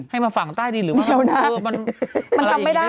ให้มาฝั่งใต้ดินหรือว่ามันอะไรอีกได้ไหม